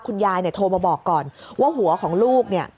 ยายเนี่ยโทรมาบอกก่อนว่าหัวของลูกเนี่ย